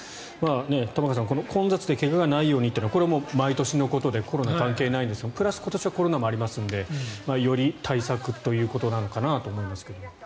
玉川さん、混雑で怪我がないようにというのはこれは毎年のことでコロナ関係ないんですがプラス、今年はコロナもありますのでより、対策ということなのかなと思いますけど。